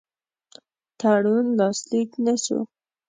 تړون لاسلیک نه سو.